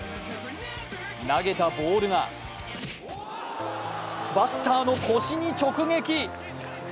投げたボールがバッターの腰に直撃。